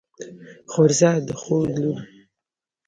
خورزه د خور لور.